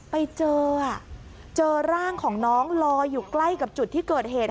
ไปเจอเจอร่างของน้องลอยอยู่ใกล้กับจุดที่เกิดเหตุ